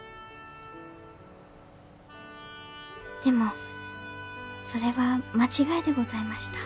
でもそれは間違いでございました。